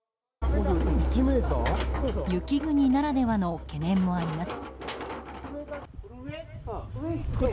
雪国ならではの懸念もあります。